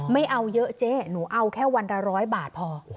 ไม่เอาเยอะเจ๊หนูเอาแค่วันละ๑๐๐บาทพอ